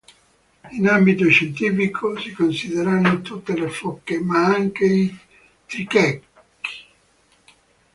In ambito scientifico si considerano tutte le foche, ma anche i trichechi.